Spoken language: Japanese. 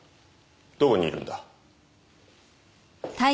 どこにいるんだ？